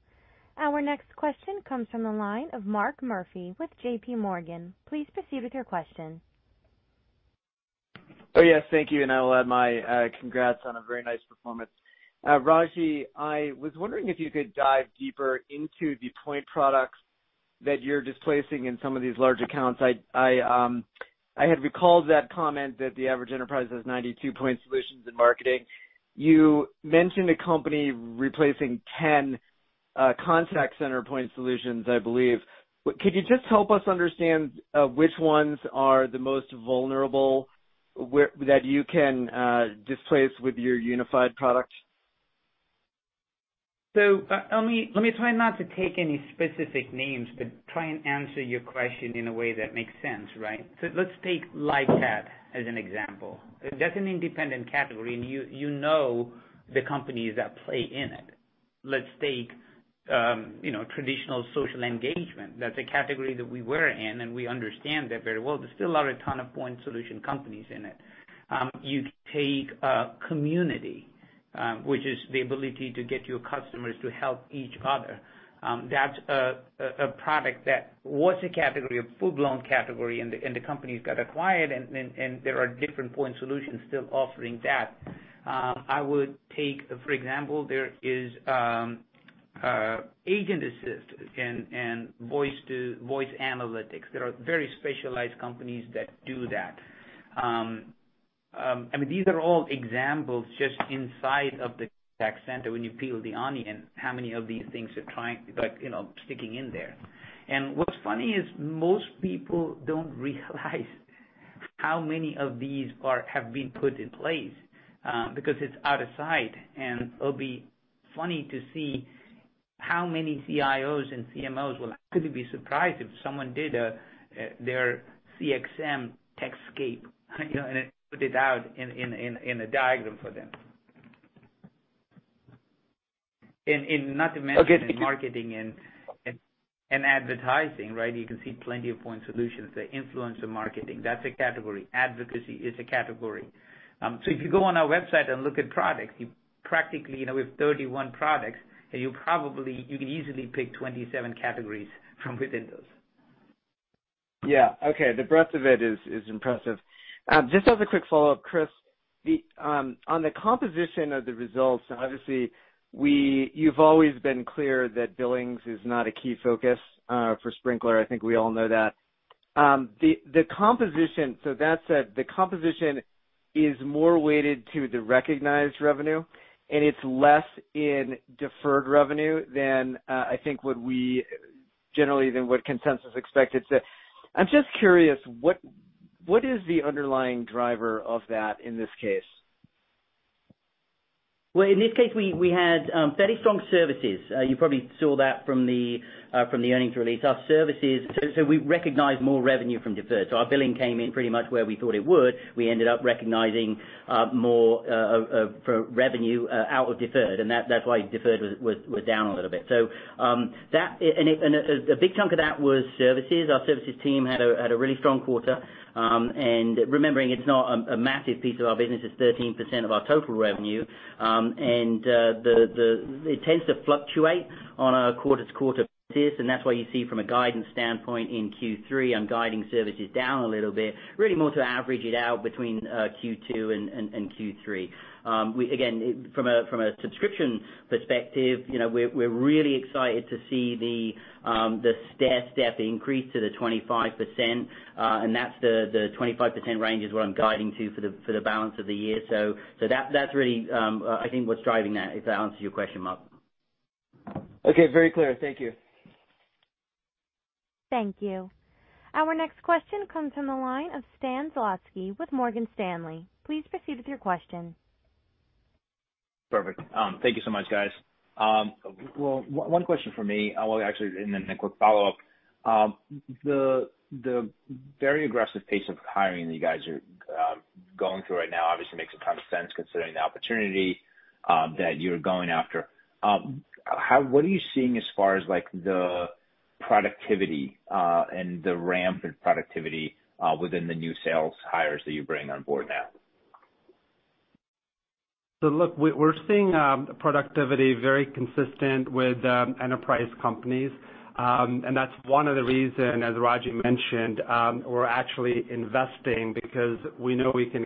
Our next question comes from the line of Mark Murphy with JPMorgan. Please proceed with your question. Thank you. I will add my congrats on a very nice performance. Ragy, I was wondering if you could dive deeper into the point products that you're displacing in some of these large accounts. I had recalled that comment that the average enterprise has 92 point solutions in marketing. You mentioned a company replacing 10 contact center point solutions, I believe. Could you just help us understand which ones are the most vulnerable that you can displace with your unified product? Let me try not to take any specific names, but try and answer your question in a way that makes sense, right? Let's take LiveChat as an example. That's an independent category, and you know the companies that play in it. Let's take traditional social engagement. That's a category that we were in, and we understand that very well. There's still a lot of ton of point solution companies in it. You take community, which is the ability to get your customers to help each other. That's a product that was a category, a full-blown category, and the companies got acquired, and there are different point solutions still offering that. I would take, for example, there is agent assist and voice analytics. There are very specialized companies that do that. These are all examples just inside of the tech center, when you peel the onion, how many of these things are sticking in there. What's funny is most people don't realize how many of these have been put in place, because it's out of sight, and it'll be funny to see how many CIOs and CMOs will actually be surprised if someone did their CXM techscape, and put it out in a diagram for them. Okay, thank you. In marketing and advertising, right? You can see plenty of point solutions. The influencer marketing, that's a category. Advocacy is a category. If you go on our website and look at products, we have 31 products, and you can easily pick 27 categories from within those. Yeah. Okay. The breadth of it is impressive. Just as a quick follow-up, Chris, on the composition of the results, and obviously you've always been clear that billings is not a key focus for Sprinklr, I think we all know that. That said, the composition is more weighted to the recognized revenue, and it's less in deferred revenue than, I think, generally than what consensus expected. I'm just curious, what is the underlying driver of that in this case? In this case, we had very strong services. You probably saw that from the earnings release. We recognized more revenue from deferred. Our billing came in pretty much where we thought it would. We ended up recognizing more revenue out of deferred, and that's why deferred was down a little bit. A big chunk of that was services. Our services team had a really strong quarter. Remembering it's not a massive piece of our business. It's 13% of our total revenue. It tends to fluctuate on a quarter-to-quarter basis, and that's why you see from a guidance standpoint in Q3, I'm guiding services down a little bit, really more to average it out between Q2 and Q3. From a subscription perspective, we're really excited to see the stair-step increase to the 25%, and the 25% range is what I'm guiding to for the balance of the year. That's really, I think, what's driving that. If that answers your question, Mark. Okay. Very clear. Thank you. Thank you. Our next question comes from the line of Sanjit Singh with Morgan Stanley. Please proceed with your question. Perfect. Thank you so much, guys. One question from me. Actually, then a quick follow-up. The very aggressive pace of hiring that you guys are going through right now obviously makes a ton of sense considering the opportunity that you're going after. What are you seeing as far as the productivity, and the ramp in productivity, within the new sales hires that you bring on board now? Look, we're seeing productivity very consistent with enterprise companies. That's one of the reasons, as Ragy mentioned, we're actually investing because we know we can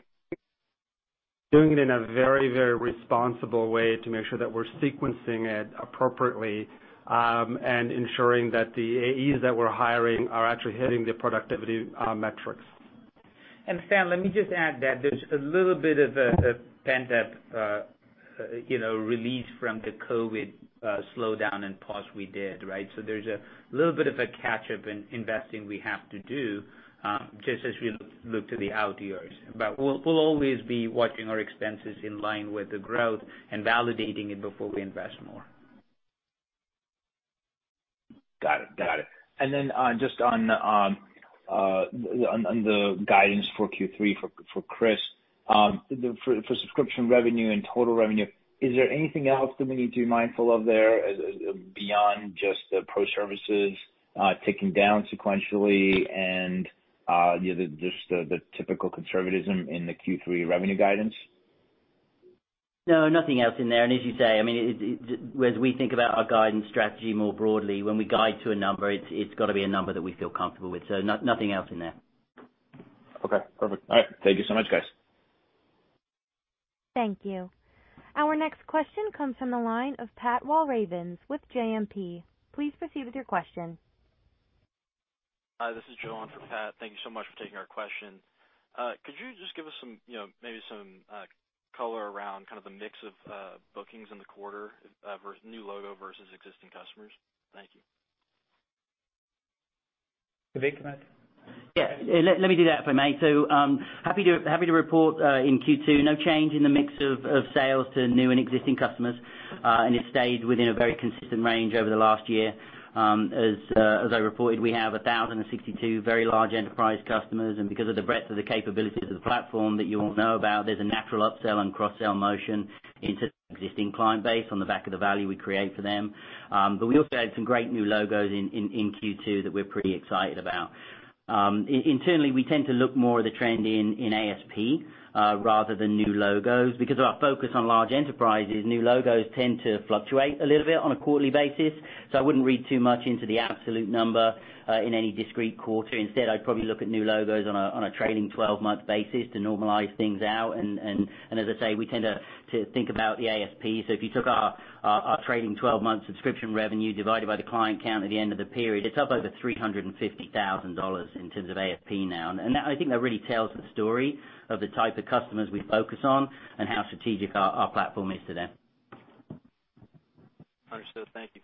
do it in a very, very responsible way to make sure that we're sequencing it appropriately, and ensuring that the AEs that we're hiring are actually hitting the productivity metrics. San, let me just add that there's a little bit of a pent-up release from the COVID slowdown and pause we did, right? There's a little bit of a catch-up in investing we have to do, just as we look to the out years. We'll always be watching our expenses in line with the growth and validating it before we invest more. Got it. Just on the guidance for Q3 for Chris, for subscription revenue and total revenue, is there anything else that we need to be mindful of there beyond just the pro services ticking down sequentially and just the typical conservatism in the Q3 revenue guidance? No, nothing else in there. As you say, as we think about our guidance strategy more broadly, when we guide to a number, it's got to be a number that we feel comfortable with. Nothing else in there. Okay. Perfect. All right. Thank you so much, guys. Thank you. Our next question comes from the line of Pat Walravens with JMP. Please proceed with your question. Hi. This is Joan for Pat. Thank you so much for taking our question. Could you just give us maybe some color around kind of the mix of bookings in the quarter, new logos versus existing customers? Thank you. Vivek. Yeah. Let me do that if I may. Happy to report in Q2, no change in the mix of sales to new and existing customers. It stayed within a very consistent range over the last year. As I reported, we have 1,062 very large enterprise customers, and because of the breadth of the capabilities of the platform that you all know about, there's a natural upsell and cross-sell motion into existing client base on the back of the value we create for them. We also had some great new logos in Q2 that we're pretty excited about. Internally, we tend to look more at the trend in ASP rather than new logos. Because of our focus on large enterprises, new logos tend to fluctuate a little bit on a quarterly basis. I wouldn't read too much into the absolute number, in any discrete quarter. Instead, I'd probably look at new logos on a trailing 12-month basis to normalize things out. As I say, we tend to think about the ASP. If you took our trailing 12-month subscription revenue divided by the client count at the end of the period, it's up over $350,000 in terms of ASP now. I think that really tells the story of the type of customers we focus on and how strategic our platform is to them. Understood. Thank you.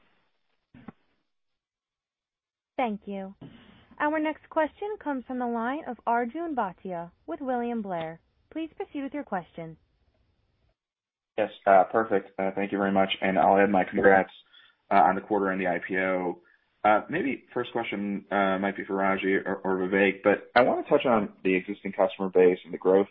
Thank you. Our next question comes from the line of Arjun Bhatia with William Blair. Please proceed with your question. Yes, perfect. Thank you very much, and I'll add my congrats, on the quarter and the IPO. Maybe first question might be for Ragy or Vivek, but I want to touch on the existing customer base and the growth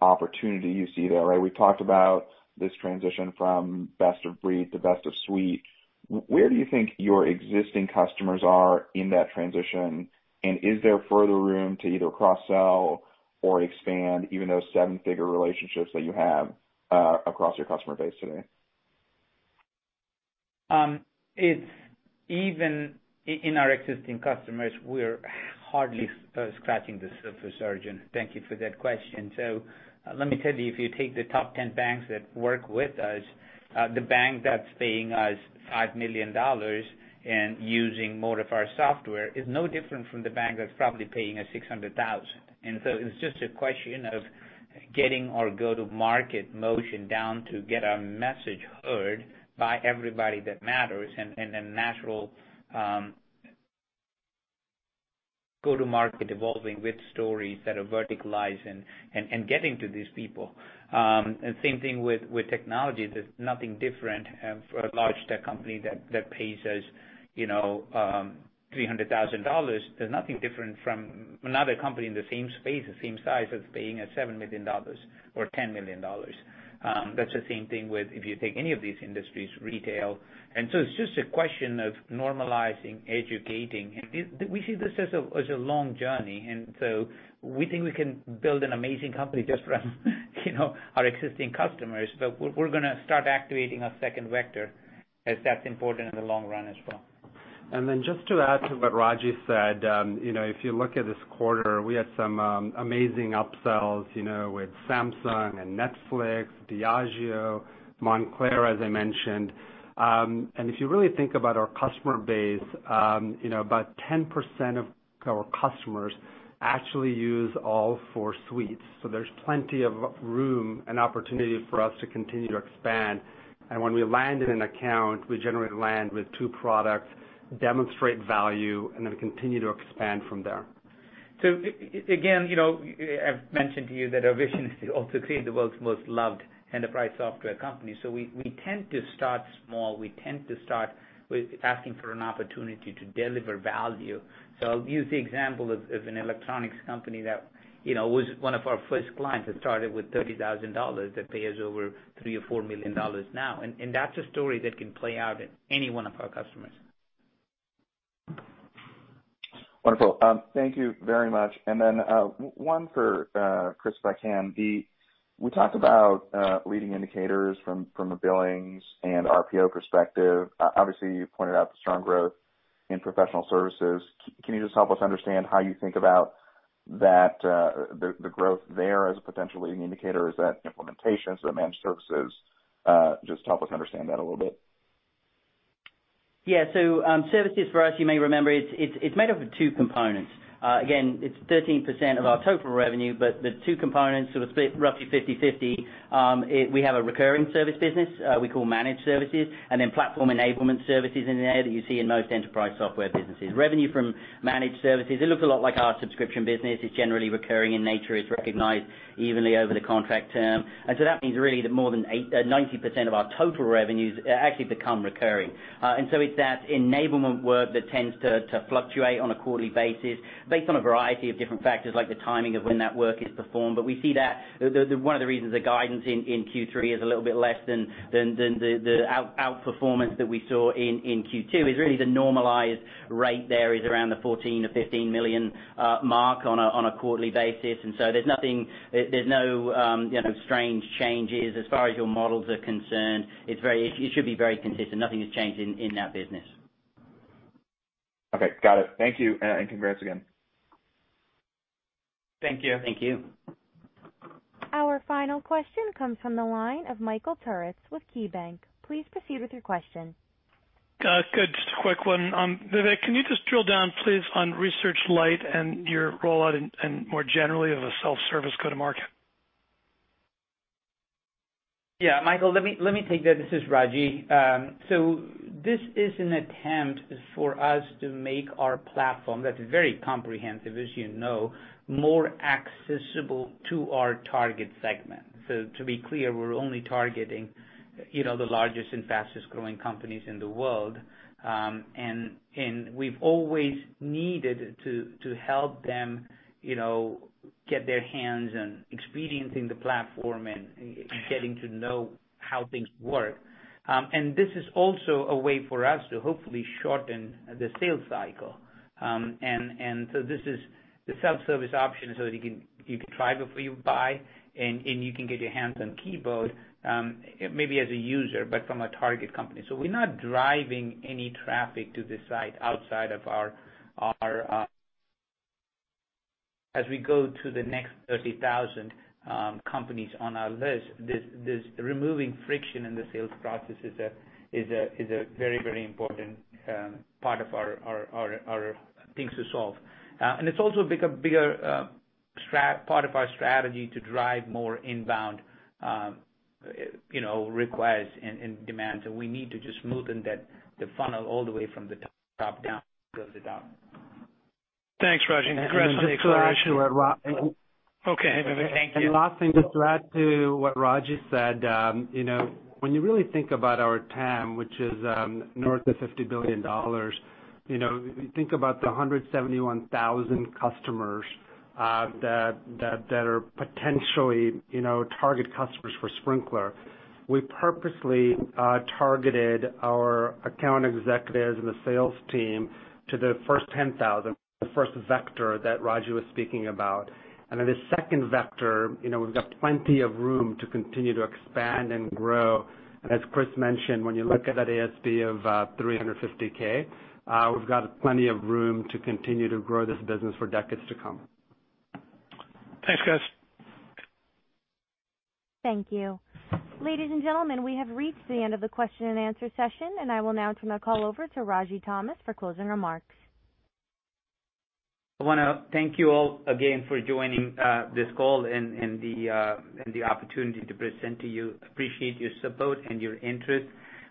opportunity you see there. We talked about this transition from best of breed to best of suite. Where do you think your existing customers are in that transition? Is there further room to either cross-sell or expand even those seven-figure relationships that you have, across your customer base today? Even in our existing customers, we're hardly scratching the surface, Arjun. Thank you for that question. Let me tell you, if you take the top 10 banks that work with us, the bank that's paying us $5 million and using more of our software is no different from the bank that's probably paying us $600,000. It's just a question of getting our go-to-market motion down to get our message heard by everybody that matters, and a natural go-to-market evolving with stories that are verticalized and getting to these people. Same thing with technology. There's nothing different for a large tech company that pays us $300,000. There's nothing different from another company in the same space, the same size as paying us $7 million or $10 million. That's the same thing with if you take any of these industries, retail. It's just a question of normalizing, educating. We see this as a long journey, and so we think we can build an amazing company just from our existing customers. We're going to start activating a second vector as that's important in the long run as well. Just to add to what Ragy said, if you look at this quarter, we had some amazing upsells, with Samsung and Netflix, Diageo, Moncler, as I mentioned. If you really think about our customer base, about 10% of our customers actually use all four suites. There's plenty of room and opportunity for us to continue to expand. When we land in an account, we generally land with two products, demonstrate value, and then we continue to expand from there. Again, I've mentioned to you that our vision is to also create the world's most loved enterprise software company. We tend to start small. We tend to start with asking for an opportunity to deliver value. I'll use the example of an electronics company that was one of our first clients that started with $30,000 that pay us over $3 or $4 million now. That's a story that can play out at any one of our customers. Wonderful. Thank you very much. Then, one for Chris, if I can. We talked about leading indicators from a billings and RPO perspective. Obviously, you pointed out the strong growth in professional services. Can you just help us understand how you think about the growth there as a potential leading indicator? Is that implementations or managed services? Just help us understand that a little bit. Services for us, you may remember, it's made up of two components. Again, it's 13% of our total revenue, but the two components are split roughly 50/50. We have a recurring service business, we call managed services, platform enablement services in there that you see in most enterprise software businesses. Revenue from managed services, it looks a lot like our subscription business. It's generally recurring in nature. It's recognized evenly over the contract term. That means really that more than 90% of our total revenues actually become recurring. It's that enablement work that tends to fluctuate on a quarterly basis based on a variety of different factors like the timing of when that work is performed. We see that one of the reasons the guidance in Q3 is a little bit less than the outperformance that we saw in Q2 is really the normalized rate there is around the $14 million-$15 million mark on a quarterly basis. There's no strange changes as far as your models are concerned. It should be very consistent. Nothing has changed in that business. Okay, got it. Thank you, and congrats again. Thank you. Thank you. Our final question comes from the line of Michael Turits with KeyBanc Capital Markets. Please proceed with your question. Good. Just a quick one. Vivek, can you just drill down, please, on Research Lite and your rollout and more generally of a self-service go to market? Yeah, Michael, let me take that. This is Ragy. This is an attempt for us to make our platform, that's very comprehensive, as you know, more accessible to our target segment. To be clear, we're only targeting the largest and fastest-growing companies in the world. We've always needed to help them get their hands and experiencing the platform and getting to know how things work. This is also a way for us to hopefully shorten the sales cycle. This is the self-service option so that you can try before you buy, and you can get your hands on keyboard, maybe as a user, but from a target company. We're not driving any traffic to the site. As we go to the next 30,000 companies on our list, this removing friction in the sales process is a very important part of our things to solve. It's also a bigger part of our strategy to drive more inbound requests and demands. We need to just smoothen the funnel all the way from the top down. Thanks, Ragy. Last thing, just to add to what Ragy said. When you really think about our TAM, which is north of $50 billion. If you think about the 171,000 customers that are potentially target customers for Sprinklr, we purposely targeted our account executives and the sales team to the first 10,000, the first vector that Ragy was speaking about. Then the second vector, we've got plenty of room to continue to expand and grow. As Chris mentioned, when you look at that ASP of $350,000, we've got plenty of room to continue to grow this business for decades to come. Thanks, guys. Thank you. Ladies and gentlemen, we have reached the end of the question and answer session. I will now turn the call over to Ragy Thomas for closing remarks. I want to thank you all again for joining this call and the opportunity to present to you. Appreciate your support and your interest.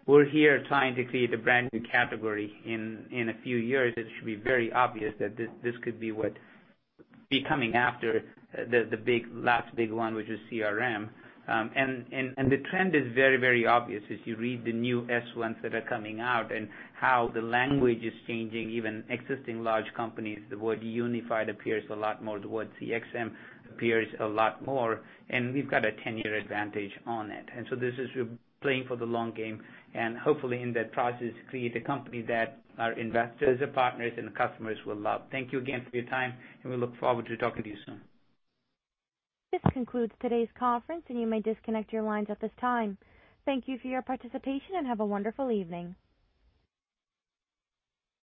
We're here trying to create a brand-new category in a few years. It should be very obvious that this could be what be coming after the last big one, which is CRM. The trend is very obvious as you read the new S-1s that are coming out and how the language is changing, even existing large companies, the word unified appears a lot more, the word CXM appears a lot more, and we've got a 10-year advantage on it. This is playing for the long game and hopefully in that process, create a company that our investors, our partners, and customers will love. Thank you again for your time, and we look forward to talking to you soon. This concludes today's conference, and you may disconnect your lines at this time. Thank you for your participation and have a wonderful evening.